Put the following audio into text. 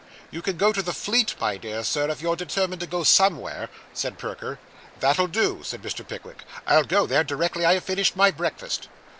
'You can go to the Fleet, my dear Sir, if you're determined to go somewhere,' said Perker. 'That'll do,' said Mr. Pickwick. 'I'll go there directly I have finished my breakfast.